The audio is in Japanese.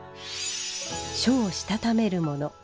書をしたためるもの。